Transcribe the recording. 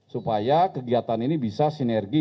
supaya kegiatan ini bisa sinergi